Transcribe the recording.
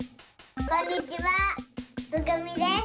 こんにちはつぐみです。